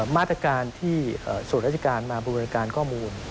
มาตรการที่ส่วนราชการมาบริการข้อมูล